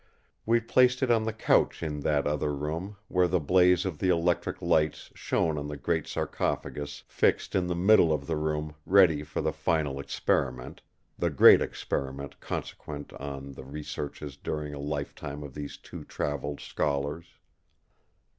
We placed it on the couch in that other room, where the blaze of the electric lights shone on the great sarcophagus fixed in the middle of the room ready for the final experiment, the great experiment consequent on the researches during a lifetime of these two travelled scholars.